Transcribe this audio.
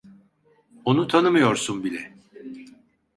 Onu tanımıyorsun bile.